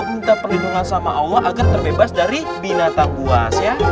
minta perlindungan sama allah agar terbebas dari binatang buas ya